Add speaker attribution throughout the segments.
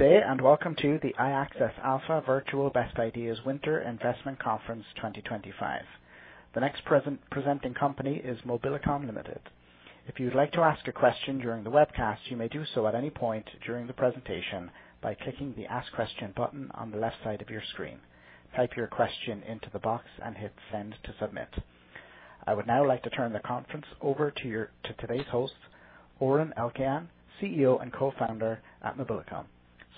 Speaker 1: Welcome to the iAccess Alpha Virtual Best Ideas Winter Investment Conference 2025. The next presenting company is Mobilicom Limited. If you'd like to ask a question during the webcast, you may do so at any point during the presentation by clicking the Ask Question button on the left side of your screen. Type your question into the box and hit send to submit. I would now like to turn the conference over to today's host, Oren Elkayam, CEO and Co-Founder at Mobilicom.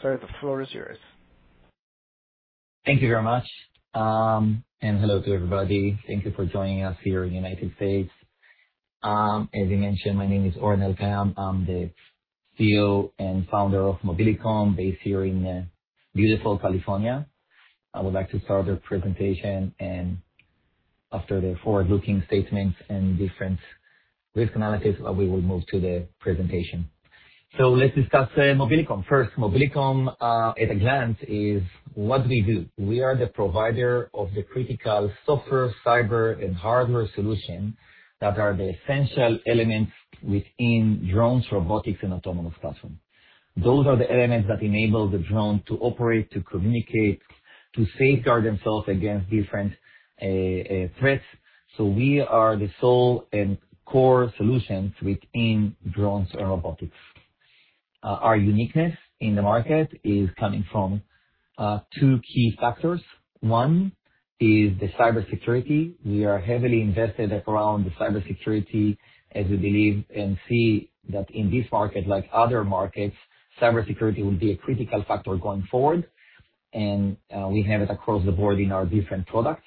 Speaker 1: Sir, the floor is yours.
Speaker 2: Thank you very much, and hello to everybody. Thank you for joining us here in United States. As he mentioned, my name is Oren Elkayam. I'm the CEO and founder of Mobilicom, based here in beautiful California. I would like to start the presentation, and after the forward-looking statements and different risk analysis, we will move to the presentation. Let's discuss Mobilicom. First, Mobilicom at a glance is what we do. We are the provider of the critical software, cyber and hardware solution that are the essential elements within drones, robotics, and autonomous platform. Those are the elements that enable the drone to operate, to communicate, to safeguard themselves against different threats. We are the sole and core solutions within drones and robotics. Our uniqueness in the market is coming from two key factors. One is the cybersecurity. We are heavily invested around the cybersecurity, as we believe and see that in this market, like other markets, cybersecurity will be a critical factor going forward. We have it across the board in our different products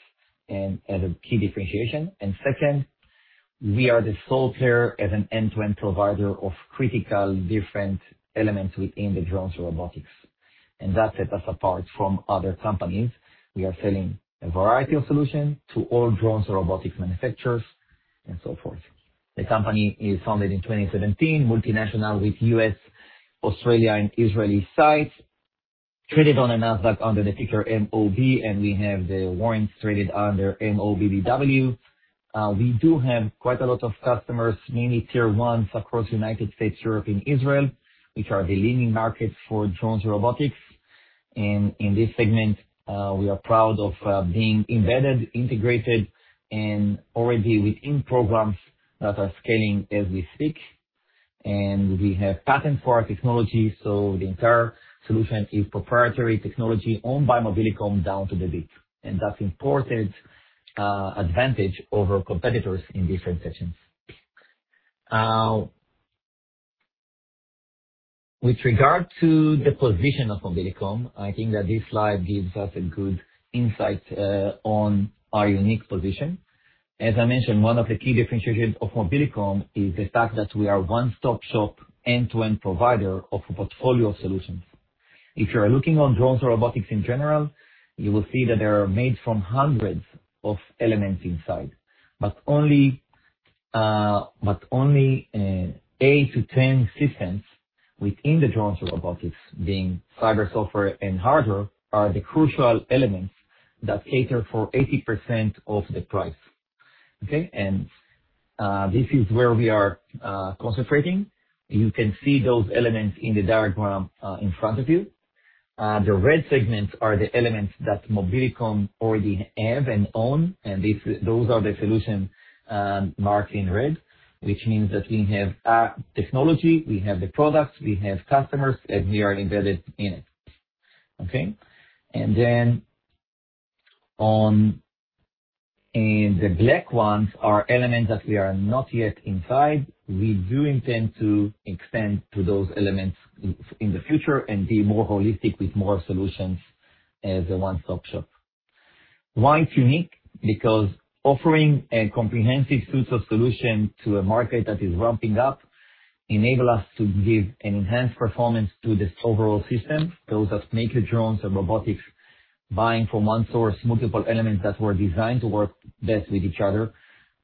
Speaker 2: and as a key differentiation. Second, we are the sole player as an end-to-end provider of critically different elements within the drones and robotics. That sets us apart from other companies. We are selling a variety of solutions to all drones and robotics manufacturers and so forth. The company is founded in 2017, multinational with U.S., Australia and Israeli sites. Traded on the Nasdaq under the ticker MOB, and we have the warrants traded under MOBBW. We do have quite a lot of customers, mainly tier ones across United States, Europe and Israel, which are the leading markets for drones and robotics. In this segment, we are proud of being embedded, integrated, and already within programs that are scaling as we speak. We have patent for our technology, so the entire solution is proprietary technology owned by Mobilicom down to the bit. That's important advantage over competitors in different sessions. With regard to the position of Mobilicom, I think that this slide gives us a good insight on our unique position. As I mentioned, one of the key differentiators of Mobilicom is the fact that we are one-stop shop, end-to-end provider of a portfolio of solutions. If you are looking on drones or robotics in general, you will see that they are made from hundreds of elements inside, but only eight-10 systems within the drones or robotics being cyber, software and hardware, are the crucial elements that cater for 80% of the price. Okay? This is where we are concentrating. You can see those elements in the diagram in front of you. The red segments are the elements that Mobilicom already have and own, and those are the solutions marked in red, which means that we have technology, we have the products, we have customers, and we are embedded in it. Okay? The black ones are elements that we are not yet inside. We do intend to expand to those elements in the future and be more holistic with more solutions as a one-stop shop. Why it's unique? Because offering a comprehensive suite of solution to a market that is ramping up enable us to give an enhanced performance to the overall system. Those that make the drones or robotics buying from one source, multiple elements that were designed to work best with each other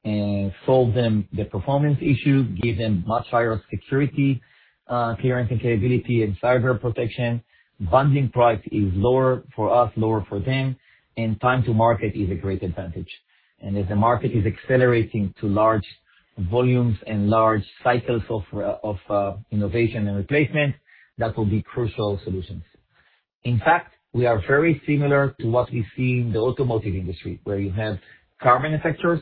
Speaker 2: and solve them the performance issue, give them much higher security clearance and capability and cyber protection. Bundling price is lower for us, lower for them, and time to market is a great advantage. As the market is accelerating to large volumes and large cycles of innovation and replacement, that will be crucial solutions. In fact, we are very similar to what we see in the automotive industry, where you have car manufacturers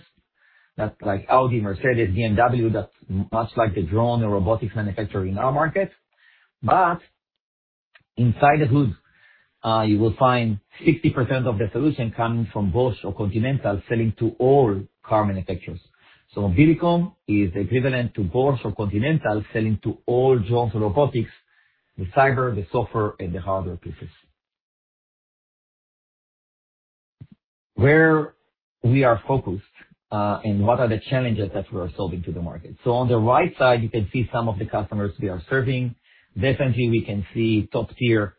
Speaker 2: that like Audi, Mercedes, BMW, that's much like the drone or robotics manufacturer in our market. Inside the hood, you will find 60% of the solution coming from Bosch or Continental selling to all car manufacturers. Mobilicom is equivalent to Bosch or Continental selling to all drones or robotics, the cyber, the software and the hardware pieces. Where we are focused and what are the challenges that we are solving to the market? On the right side, you can see some of the customers we are serving. Definitely, we can see top-tier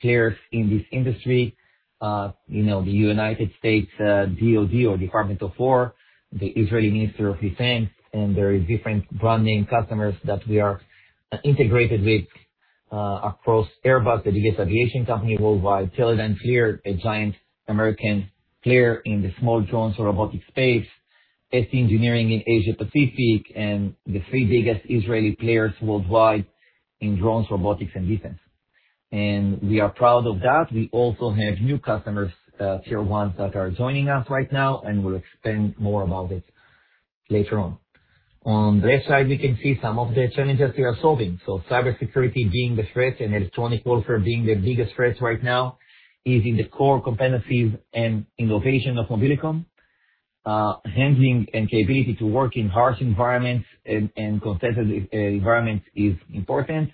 Speaker 2: players in this industry. The United States DoD or Department of Defense, the Israel Ministry of Defense, and there is different brand name customers that we are integrated with across Airbus, the biggest aviation company worldwide. Teledyne FLIR, a giant American player in the small drones or robotic space. ST Engineering in Asia Pacific, and the three biggest Israeli players worldwide in drones, robotics, and defense. We are proud of that. We also have new customers, Tier ones that are joining us right now, and we'll explain more about it later on. On the left side, we can see some of the challenges we are solving. Cybersecurity being the threat and electronic warfare being the biggest threat right now is in the core competencies and innovation of Mobilicom. Handling and capability to work in harsh environments and contested environments is important.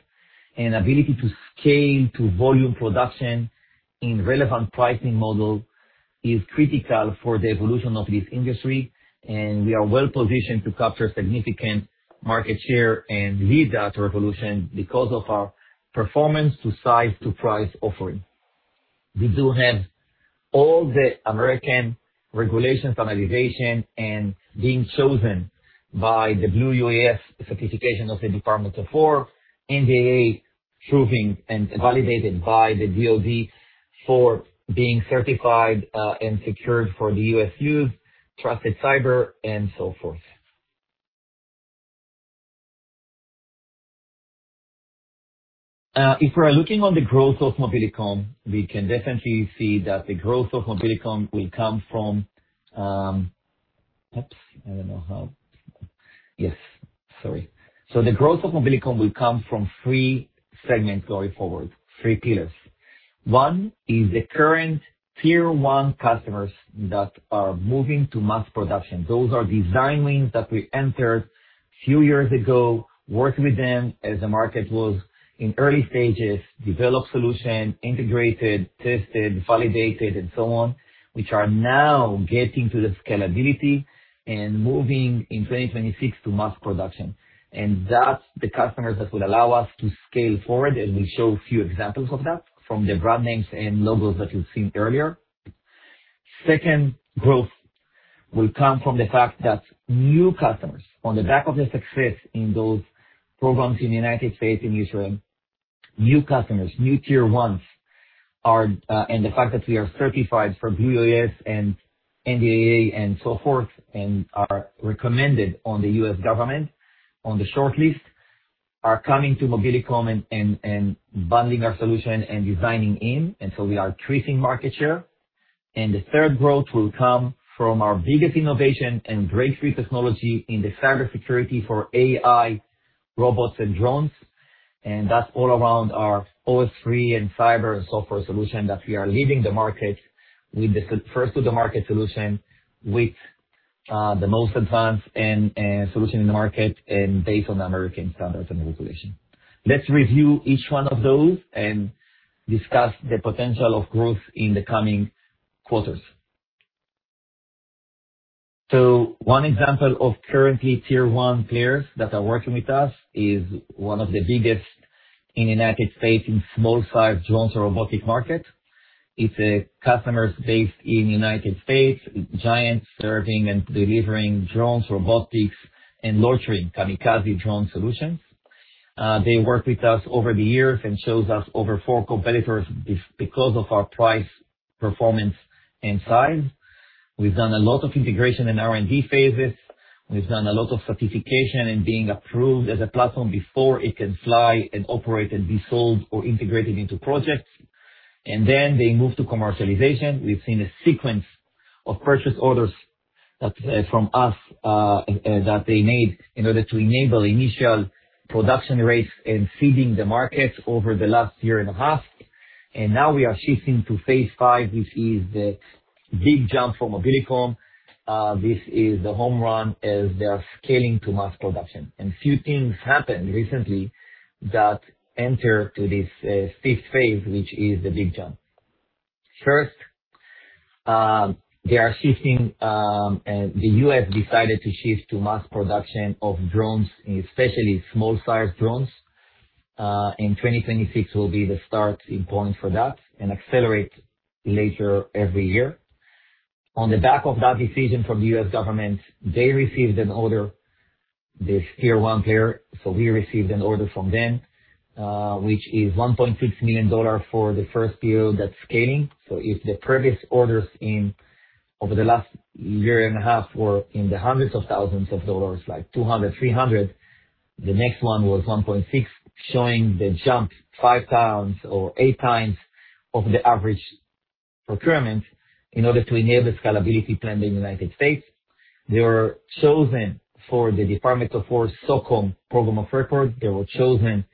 Speaker 2: Ability to scale to volume production in relevant pricing model is critical for the evolution of this industry, and we are well-positioned to capture significant market share and lead that revolution because of our performance to size to price offering. We do have all the American regulations on aviation and being chosen by the Blue UAS certification of the Department of Defense, NDAA proven and validated by the DoD for being certified and secured for the U.S. use, trusted cyber and so forth. If we are looking at the growth of Mobilicom, we can definitely see that the growth of Mobilicom will come from three segments going forward, three pillars. One is the current Tier one customers that are moving to mass production. Those are design wins that we entered few years ago, worked with them as the market was in early stages, developed solution, integrated, tested, validated, and so on, which are now getting to the scalability and moving in 2026 to mass production. That's the customers that will allow us to scale forward, and we'll show a few examples of that from the brand names and logos that you've seen earlier. Second growth will come from the fact that new customers, on the back of the success in those programs in the United States and Israel, new customers, new tier ones, and the fact that we are certified for Blue UAS and NDAA and so forth, and are recommended by the U.S. government on the shortlist, are coming to Mobilicom and bundling our solution and designing in, and so we are increasing market share. The third growth will come from our biggest innovation and breakthrough technology in the cybersecurity for AI, robots, and drones. That's all around our OS3 and cyber and software solution that we are leading the market with the first-to-the-market solution with the most advanced solution in the market and based on American standards and regulation. Let's review each one of those and discuss the potential of growth in the coming quarters. One example of currently Tier one players that are working with us is one of the biggest in United States in small size drones or robotics market. It's a customer based in United States, giant serving and delivering drones, robotics, and loitering kamikaze drone solutions. They work with us over the years and chose us over four competitors because of our price, performance, and size. We've done a lot of integration in R&D phases. We've done a lot of certification and being approved as a platform before it can fly and operate and be sold or integrated into projects. They move to commercialization. We've seen a sequence of purchase orders from us that they made in order to enable initial production rates and seeding the markets over the last year and a half. Now we are shifting to phase five, which is the big jump for Mobilicom. This is the home run as they are scaling to mass production. Few things happened recently that enter to this fifth phase, which is the big jump. First, the U.S. decided to shift to mass production of drones, especially small sized drones. In 2026 will be the start in going for that and accelerate later every year. On the back of that decision from the U.S. government, they received an order from this tier one player. We received an order from them, which is $1.6 million for the first deal that's scaling. If the previous orders over the last year and a half were in the hundreds of thousands of dollars, like $200 thousand, $300 thousand, the next one was $1.6 million, showing the jump five times or eight times of the average procurement in order to enable scalability plan in the United States. They were chosen for the Department of Defense SOCOM program of record. They were chosen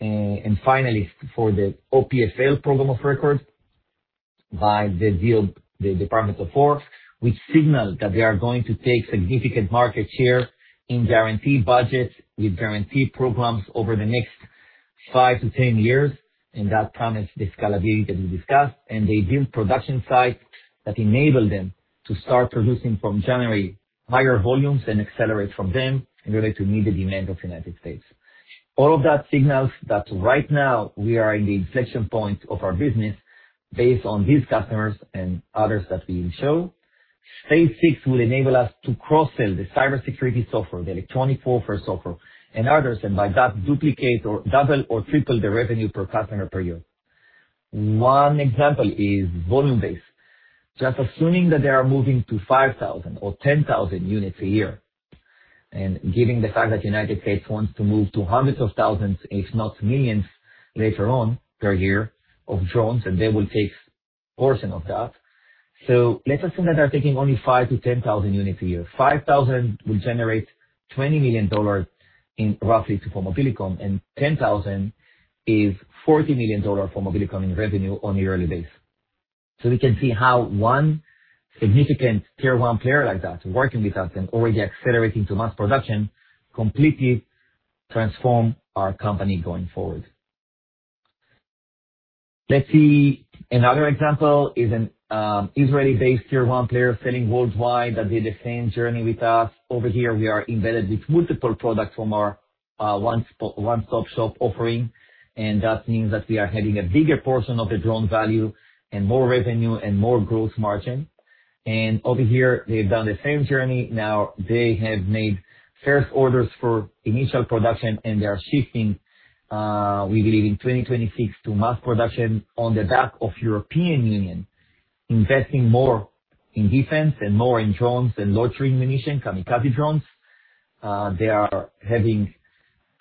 Speaker 2: and finalist for the OPF-L program of record by the Department of Defense, which signaled that they are going to take significant market share in guaranteed budgets with guaranteed programs over the next five to 10 years, and that promised the scalability that we discussed. They built production sites that enable them to start producing from January higher volumes and accelerate from them in order to meet the demand of United States. All of that signals that right now we are in the inflection point of our business based on these customers and others that we will show. Phase six will enable us to cross-sell the cybersecurity software, the electronic warfare software, and others, and by that duplicate or double or triple the revenue per customer per year. One example is volume-based. Just assuming that they are moving to 5,000 or 10,000 units a year, and given the fact that United States wants to move to hundreds of thousands, if not millions later on per year of drones, and they will take a portion of that. Let's assume that they're taking only 5,000-10,000 units a year. 5,000 will generate $20 million roughly to Mobilicom, and 10,000 is $40 million for Mobilicom in revenue on a yearly basis. We can see how one significant tier one player like that working with us and already accelerating to mass production completely transform our company going forward. Let's see. Another example is an Israeli-based tier one player selling worldwide that did the same journey with us. Over here we are embedded with multiple products from our one-stop-shop offering, and that means that we are having a bigger portion of the drone value and more revenue and more growth margin. Over here, they've done the same journey. Now they have made first orders for initial production, and they are shifting, we believe, in 2026 to mass production on the back of European Union investing more in defense and more in drones and loitering munitions, kamikaze drones. They are having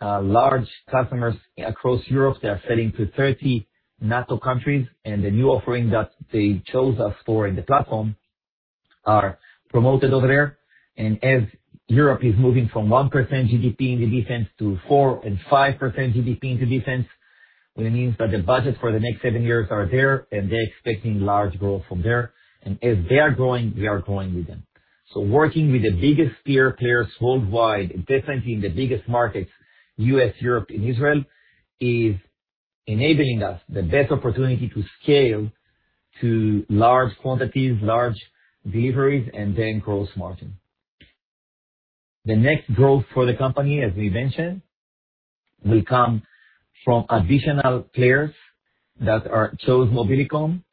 Speaker 2: large customers across Europe. They are selling to 30 NATO countries, and the new offering that they chose us for in the platform are promoted over there. As Europe is moving from 1% GDP into defense to 4% and 5% GDP into defense, it means that the budget for the next seven years are there, and they're expecting large growth from there. As they are growing, we are growing with them. Working with the biggest tier players worldwide, and definitely in the biggest markets, U.S., Europe, and Israel, is enabling us the best opportunity to scale to large quantities, large deliveries, and then gross margin. The next growth for the company, as we mentioned, will come from additional players that chose Mobilicom.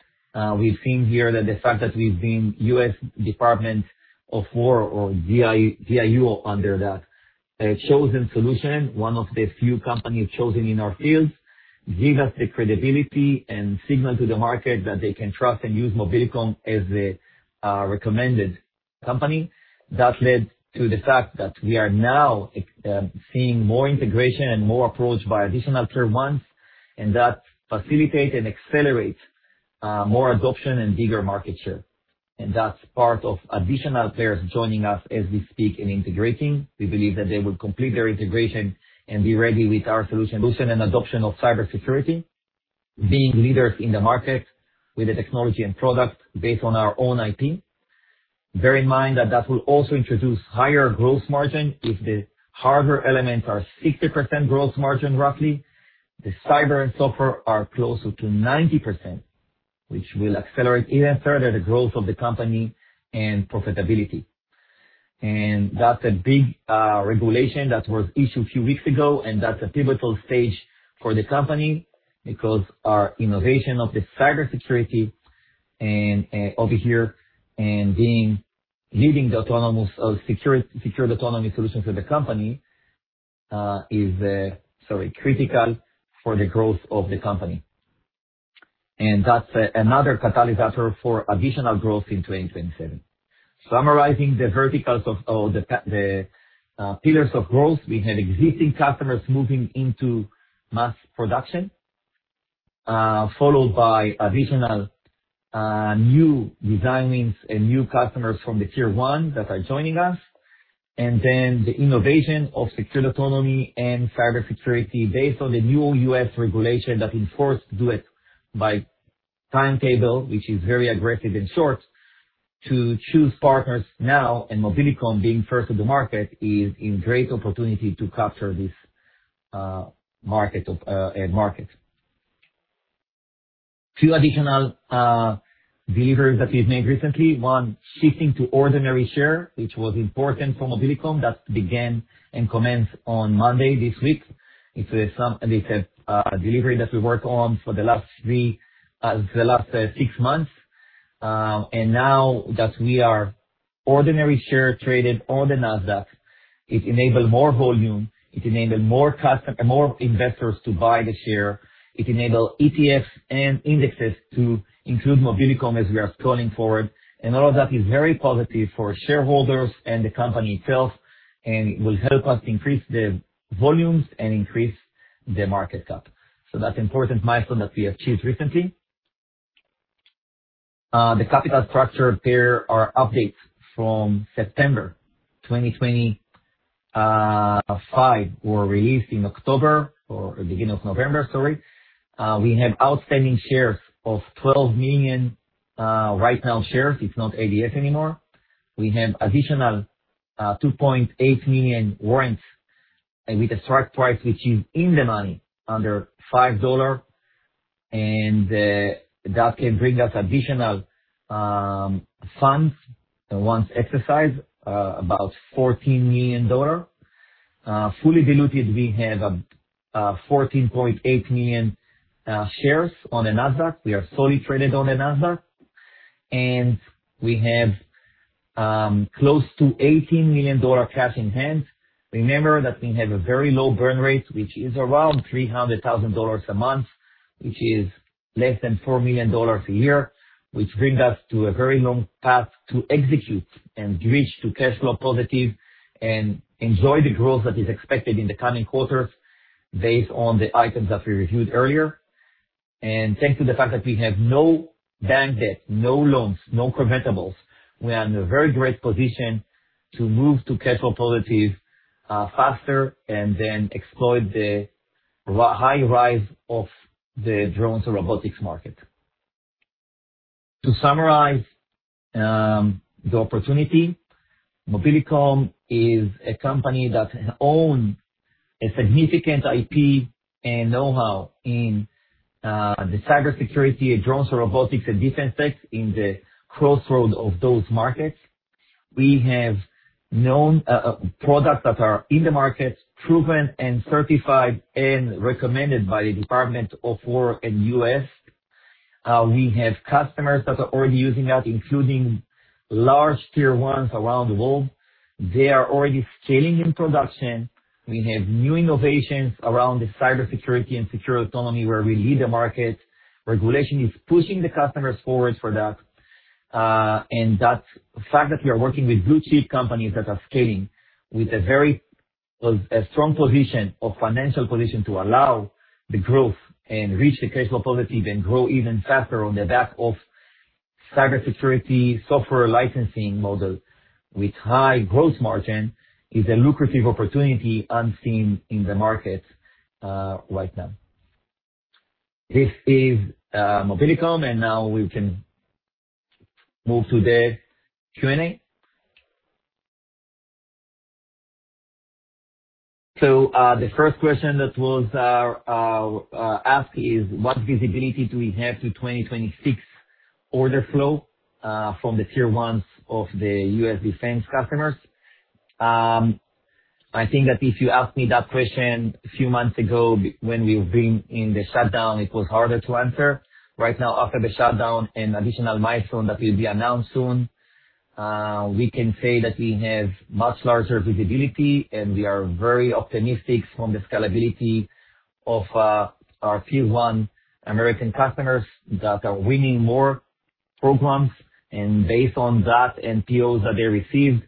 Speaker 2: We've seen here that the fact that we've been U.S. Department of Defense or DIU under that chosen solution, one of the few companies chosen in our field, gives us the credibility and signal to the market that they can trust and use Mobilicom as a recommended company. That led to the fact that we are now seeing more integration and more approach by additional tier ones, and that facilitates and accelerates more adoption and bigger market share. That's part of additional players joining us as we speak and integrating. We believe that they will complete their integration and be ready with our solution and adoption of cybersecurity. Being leaders in the market with the technology and product based on our own IP. Bear in mind that that will also introduce higher gross margin. If the hardware elements are 60% growth margin, roughly, the cyber and software are closer to 90%, which will accelerate even further the growth of the company and profitability. That's a big regulation that was issued a few weeks ago, and that's a pivotal stage for the company because our innovation of the cybersecurity over here and leading the Secured Autonomy solution for the company is critical for the growth of the company. That's another catalyst for additional growth in 2027. Summarizing the verticals of all the pillars of growth, we have existing customers moving into mass production, followed by additional new design wins and new customers from the tier one that are joining us. Then the innovation of Secured Autonomy and cybersecurity based on the new U.S. regulation that enforced DoD IT by timetable, which is very aggressive and short, to choose partners now, and Mobilicom being first in the market, is in great opportunity to capture this end market. Few additional deliveries that we've made recently. One, shifting to ordinary share, which was important for Mobilicom. That began commencement on Monday this week. It's a delivery that we worked on for the last six months. Now that we are ordinary share traded on the Nasdaq, it enabled more volume, it enabled more investors to buy the share. It enabled ETFs and indexes to include Mobilicom as we are moving forward. All of that is very positive for shareholders and the company itself, and it will help us increase the volumes and increase the market cap. That's important milestone that we achieved recently. The capital structure. There are updates from September 2025 were released in October or beginning of November, sorry. We have outstanding shares of 12 million right now shares. It's not ADS anymore. We have additional 2.8 million warrants with a strike price which is in the money under $5, and that can bring us additional funds once exercised, about $14 million. Fully diluted, we have 14.8 million shares on the Nasdaq. We are solely traded on the Nasdaq. We have close to $18 million cash in hand. Remember that we have a very low burn rate, which is around $300,000 a month, which is less than $4 million a year, which brings us to a very long path to execute and reach to cash flow positive and enjoy the growth that is expected in the coming quarters based on the items that we reviewed earlier. Thanks to the fact that we have no bank debt, no loans, no convertibles, we are in a very great position to move to cash flow positive faster and then exploit the high rise of the drones and robotics market. To summarize the opportunity, Mobilicom is a company that owns a significant IP and know-how in the cybersecurity of drones for robotics and defense tech in the crossroad of those markets. We have products that are in the market, proven and certified and recommended by the Department of Defense in the U.S. We have customers that are already using that, including large tier ones around the world. They are already scaling in production. We have new innovations around the cybersecurity and Secured Autonomy where we lead the market. Regulation is pushing the customers forward for that. That fact that we are working with blue-chip companies that are scaling with a very strong position or financial position to allow the growth and reach the cash flow positive and grow even faster on the back of cybersecurity software licensing model with high gross margin, is a lucrative opportunity unseen in the market right now. This is Mobilicom, and now we can move to the Q&A. The first question that was asked is what visibility do we have to 2026 order flow from the tier ones of the U.S. defense customers? I think that if you asked me that question a few months ago when we've been in the shutdown, it was harder to answer. Right now after the shutdown and additional milestone that will be announced soon, we can say that we have much larger visibility, and we are very optimistic from the scalability of our tier one American customers that are winning more programs. Based on that and POs that they received,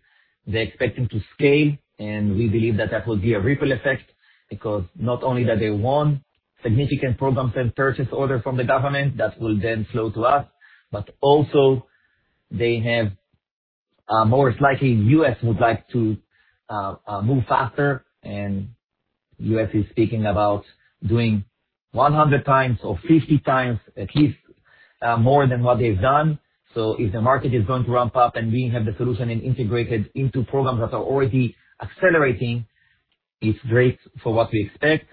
Speaker 2: they're expecting to scale. We believe that that will be a ripple effect because not only that they won significant programs and purchase order from the government that will then flow to us, but also they have, most likely U.S. would like to move faster and U.S. is speaking about doing 100 times or 50 times at least more than what they've done. If the market is going to ramp up and we have the solution and integrated into programs that are already accelerating, it's great for what we expect.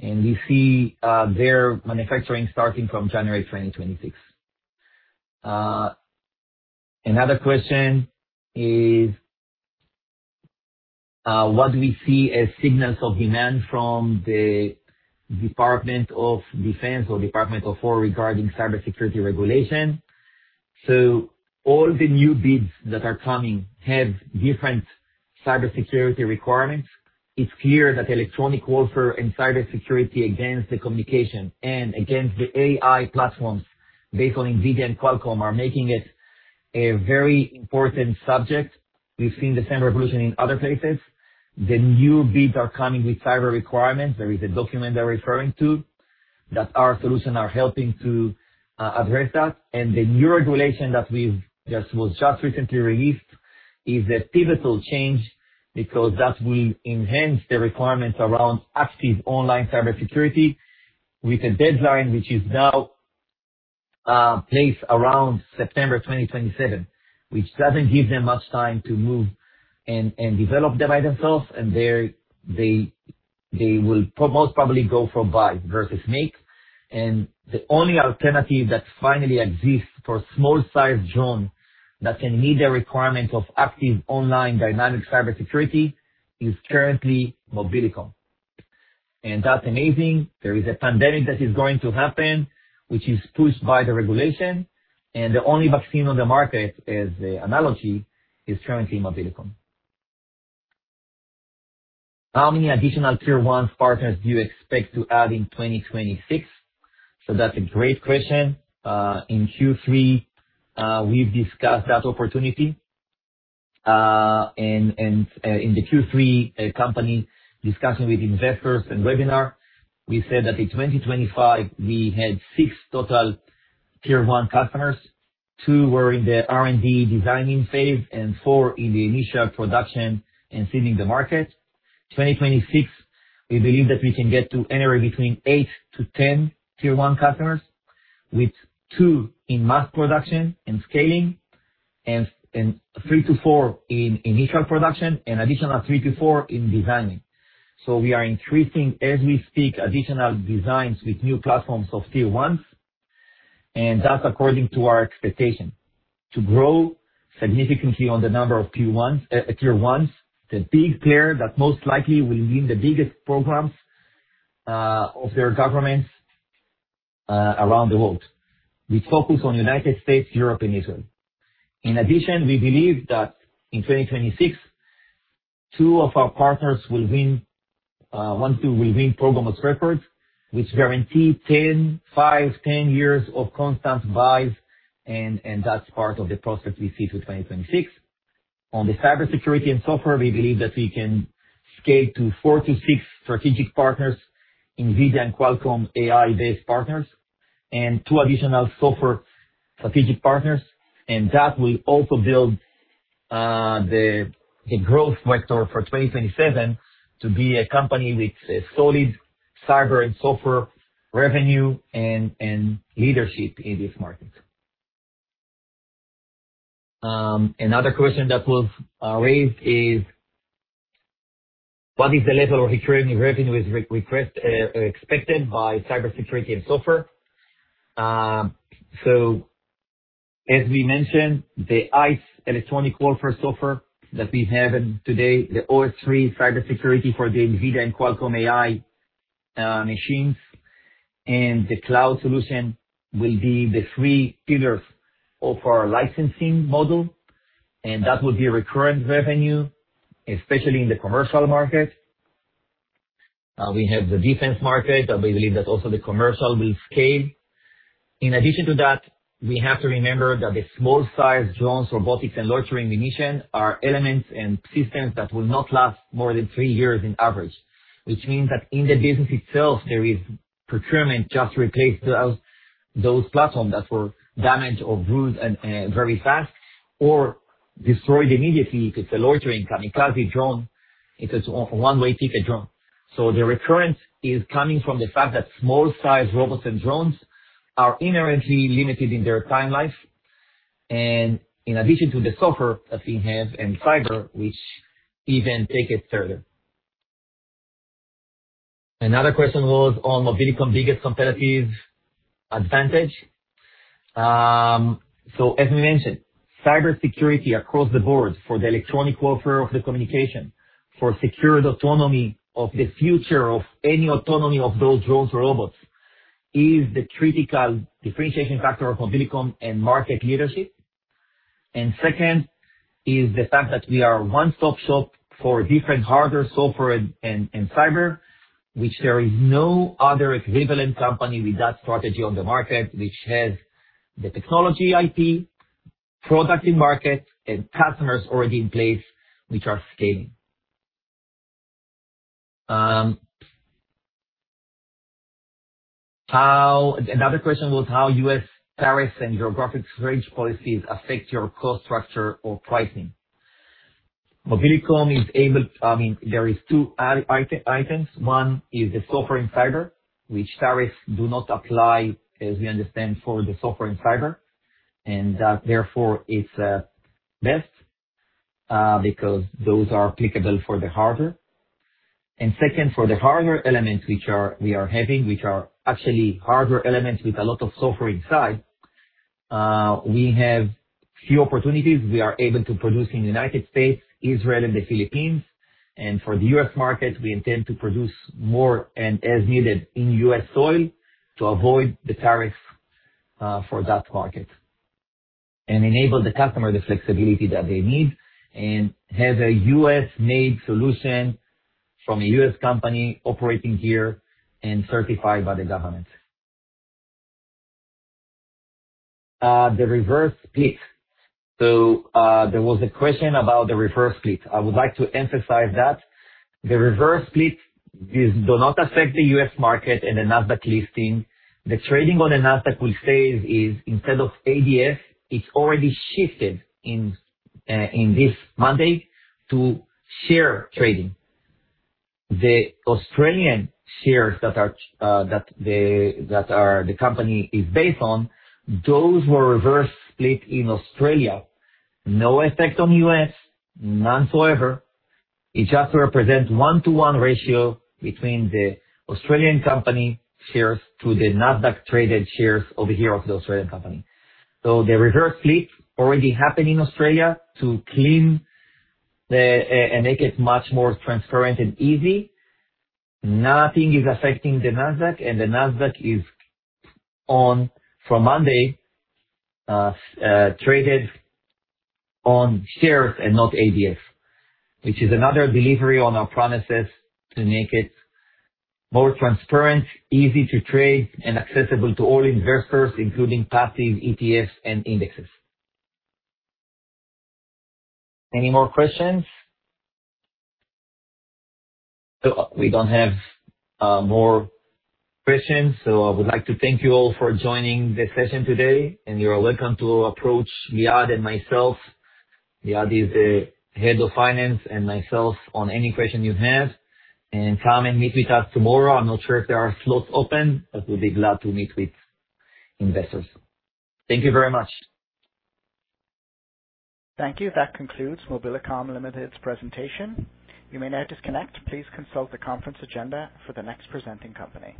Speaker 2: We see their manufacturing starting from January 2026. Another question is, what we see as signals of demand from the Department of Defense or Department of War regarding cybersecurity regulation. All the new bids that are coming have different cybersecurity requirements. It's clear that electronic warfare and cybersecurity against the communication and against the AI platforms based on Nvidia and Qualcomm are making it a very important subject. We've seen the same revolution in other places. The new bids are coming with cyber requirements. There is a document they're referring to that our solution are helping to address that. The new regulation that was just recently released is a pivotal change because that will enhance the requirements around active online cybersecurity with a deadline which is now placed around September 2027. Which doesn't give them much time to move and develop them by themselves. They will most probably go for buy versus make. The only alternative that finally exists for small-sized drone that can meet the requirement of active online dynamic cybersecurity is currently Mobilicom. That's amazing. There is a pandemic that is going to happen, which is pushed by the regulation, and the only vaccine on the market, as the analogy, is currently Mobilicom. How many additional tier one partners do you expect to add in 2026? That's a great question. In Q3, we've discussed that opportunity. In the Q3 company discussion with investors and webinar, we said that in 2025, we had 6 total tier one customers. Two were in the R&D designing phase and four in the initial production and seeding the market. In 2026, we believe that we can get to anywhere between eight-10 tier one customers, with two in mass production and scaling, and three-four in initial production, and additional three-four in designing. We are increasing, as we speak, additional designs with new platforms of tier ones, and that's according to our expectation. To grow significantly on the number of tier ones, the big player that most likely will win the biggest programs of their governments around the world. We focus on United States, Europe, and Israel. In addition, we believe that in 2026, two of our partners, one, two, will win programs of record, which guarantee five, 10 years of constant buys, and that's part of the process we see through 2026. On the cybersecurity and software, we believe that we can scale to four-six strategic partners, Nvidia and Qualcomm AI-based partners, and two additional software strategic partners. That will also build the growth vector for 2027 to be a company with a solid cyber and software revenue and leadership in these markets. Another question that was raised is, what is the level of recurring revenue is expected by cybersecurity and software? As we mentioned, the ICE electronic warfare software that we have today, the OS3 cybersecurity for the Nvidia and Qualcomm AI machines, and the cloud solution will be the three pillars of our licensing model, and that will be a recurring revenue, especially in the commercial market. We have the defense market, but we believe that also the commercial will scale. In addition to that, we have to remember that the small size drones, robotics, and loitering munition are elements and systems that will not last more than three years on average. Which means that in the business itself, there is procurement just to replace those platforms that were damaged or bruised very fast or destroyed immediately if it's a loitering kamikaze drone. It's a one-way ticket drone. The recurrence is coming from the fact that small-sized robots and drones are inherently limited in their time life, and in addition to the software that we have and cyber, which even take it further. Another question was on Mobilicom's biggest competitive advantage. As we mentioned, cybersecurity across the board for the electronic warfare of the communication, for Secured Autonomy of the future of any autonomy of those drones or robots, is the critical differentiation factor of Mobilicom and market leadership. Second is the fact that we are a one-stop shop for different hardware, software, and cyber, which there is no other equivalent company with that strategy on the market, which has the technology IP, product in market, and customers already in place, which are scaling. Another question was how U.S. tariffs and geographic trade policies affect your cost structure or pricing. There is two items. One is the software and cyber, which tariffs do not apply, as we understand, for the software and cyber, and that therefore it's best, because those are applicable for the hardware. Second, for the hardware elements which we are having, which are actually hardware elements with a lot of software inside, we have few opportunities. We are able to produce in the United States, Israel, and the Philippines. For the U.S. market, we intend to produce more and as needed in U.S. soil to avoid the tariffs for that market and enable the customer the flexibility that they need and have a U.S.-made solution from a U.S. company operating here and certified by the government. The reverse split. There was a question about the reverse split. I would like to emphasize that the reverse split do not affect the U.S. market and the Nasdaq listing. The trading on the Nasdaq of ADRs will cease instead of ADR. It's already shifted this Monday to share trading. The Australian shares that the company is based on, those were reverse split in Australia. No effect on U.S., none whatsoever. It just represents 1:1 ratio between the Australian company shares to the Nasdaq-traded shares over here of the Australian company. The reverse split already happened in Australia to clean and make it much more transparent and easy. Nothing is affecting the Nasdaq, and the Nasdaq is on from Monday, traded on shares and not ADR. Which is another delivery on our promises to make it more transparent, easy to trade, and accessible to all investors, including passive ETFs and indexes. Any more questions? We don't have more questions. I would like to thank you all for joining the session today, and you're welcome to approach Liat Caner and myself, Liat is the head of finance, and myself on any question you have. Come and meet with us tomorrow. I'm not sure if there are slots open, but we'll be glad to meet with investors. Thank you very much.
Speaker 1: Thank you. That concludes Mobilicom Limited's presentation. You may now disconnect. Please consult the conference agenda for the next presenting company.